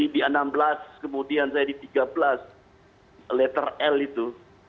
di enam belas kemudian saya di tiga belas letter l itu